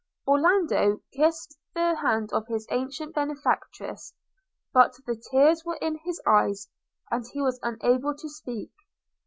Orlando kissed the hand of his ancient benefactress; but the tears were in his eyes, and he was unable to speak.